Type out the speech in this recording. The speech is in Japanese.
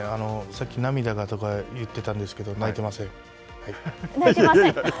さっき涙がとか言ってたんですけれども泣いてません？